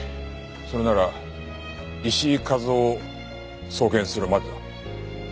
それなら石井和夫を送検するまでだ。